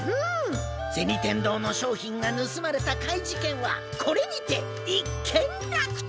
銭天堂の商品がぬすまれた怪事件はこれにて一件落着！